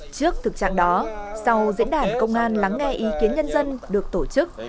trước thực trạng đó sau diễn đàn công an lắng nghe ý kiến nhân dân được tổ chức